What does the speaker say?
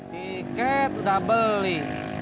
tiket udah beli